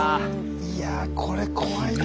いやぁこれ怖いな。